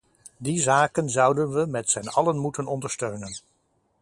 Die zaken zouden we met zijn allen moeten ondersteunen.